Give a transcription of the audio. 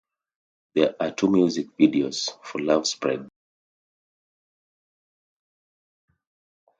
There are two music videos for Love Spreads.